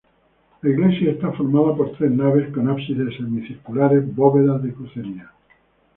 La iglesia está formada por tres naves con ábsides semicirculares, bóvedas de crucería.